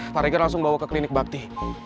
tarigan langsung bawa ke klinik bakti